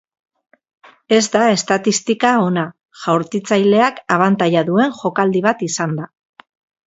Ez da estatistika ona jaurtitzaileak abantaila duen jokaldi bat izanda.